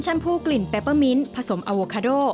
ผู้กลิ่นเปเปอร์มิ้นผสมอโวคาโด